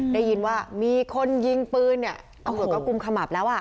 ได้ยินว่ามีคนยิงปืนเนี่ยตำรวจก็กุมขมับแล้วอ่ะ